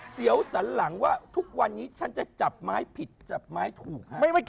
วสันหลังว่าทุกวันนี้ฉันจะจับไม้ผิดจับไม้ถูก